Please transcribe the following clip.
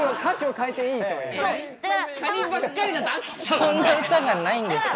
そんな歌がないんですよ。